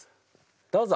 どうぞ。